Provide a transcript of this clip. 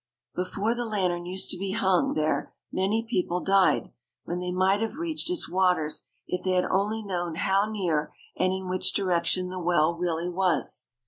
Before the lantern used to be hung there many people died when they might have reached its waters if they had only known how near and in which direction the well really was.